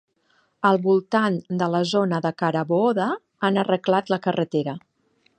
Al voltant de la zona de Carabooda han arreglat la carretera.